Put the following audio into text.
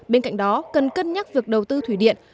bên cạnh đó cần cân nhắc việc đầu tư thủy điện